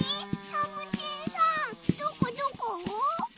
サボテンさんどこどこ？